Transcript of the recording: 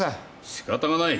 仕方がない。